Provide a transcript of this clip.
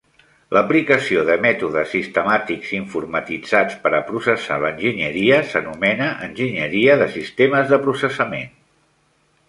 L'aplicació de mètodes sistemàtics informatitzats per a processar l'enginyeria s'anomena "enginyeria de sistemes de processament".